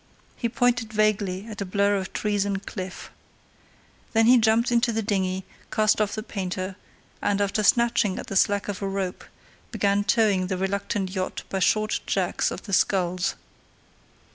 He pointed vaguely at a blur of trees and cliff. Then he jumped into the dinghy, cast off the painter, and, after snatching at the slack of a rope, began towing the reluctant yacht by short jerks of the sculls.